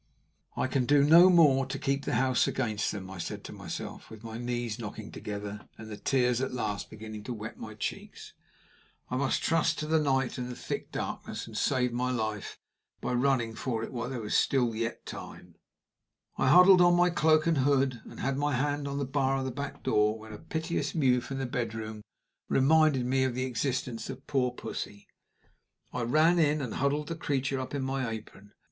"I can do no more to keep the house against them," I said to myself, with my knees knocking together, and the tears at last beginning to wet my cheeks. "I must trust to the night and the thick darkness, and save my life by running for it while there is yet time." I huddled on my cloak and hood, and had my hand on the bar of the back door, when a piteous mew from the bedroom reminded me of the existence of poor Pussy. I ran in, and huddled the creature up in my apron.